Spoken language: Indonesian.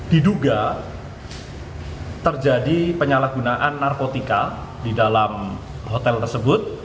diduga terjadi penyalahgunaan narkotika di dalam hotel tersebut